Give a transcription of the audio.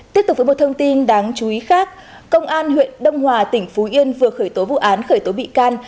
tiếp tục với một thông tin đáng chú ý khác công an huyện đông hòa tỉnh phú yên vừa khởi tố vụ án khởi tố bị can